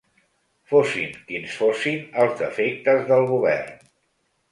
Fossin quins fossin els defectes del Govern